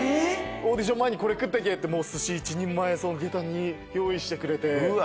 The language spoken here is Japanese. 「オーディション前に食ってけ」って寿司１人前下駄に用意してくれて。